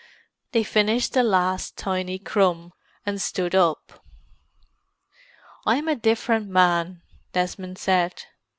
They finished the last tiny crumb, and stood up. "I'm a different man," Desmond said.